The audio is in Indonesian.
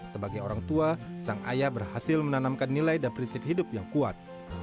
sebagai orang tua sang ayah berhasil menanamkan nilai dan prinsip hidup yang kuat